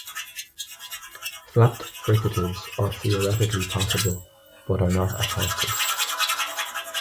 Flapped fricatives are theoretically possible but are not attested.